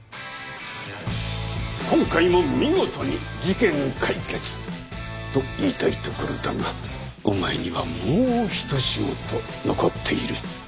今回も見事に事件解決！と言いたいところだがお前にはもうひと仕事残っている。